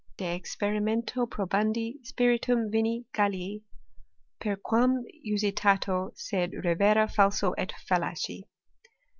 De experimento probandi spiritum vini Gallici, per quam usitato, sed revera falso et fallaci.